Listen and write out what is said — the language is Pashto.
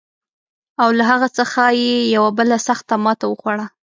او له هغه څخه یې یوه بله سخته ماته وخوړه.